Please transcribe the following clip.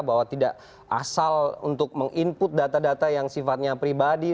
bahwa tidak asal untuk meng input data data yang sifatnya pribadi